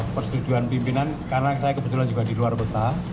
persetujuan pimpinan karena saya kebetulan juga di luar peta